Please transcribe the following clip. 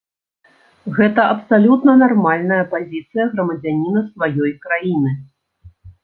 Гэта абсалютна нармальная пазіцыя грамадзяніна сваёй краіны.